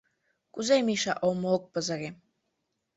— Кузе, Миша, омо ок пызыре?